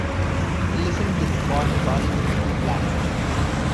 Listen to the pot calling the kettle black.